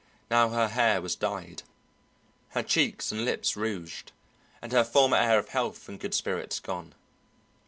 Now her hair was dyed, her cheeks and lips rouged, and her former air of health and good spirits gone.